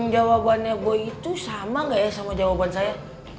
jawabannya boy itu sama gak ya sama jawaban saya